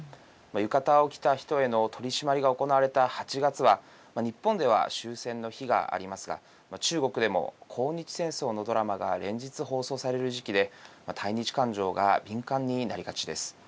浴衣を着た人への取締りが行われた８月は日本では終戦の日がありますが中国でも抗日戦争のドラマが連日、放送される時期で対日感情が敏感になりがちです。